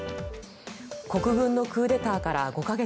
国軍のクーデターから５か月。